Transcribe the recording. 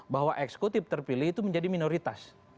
bahwa eksekutif terpilih itu menjadi minoritas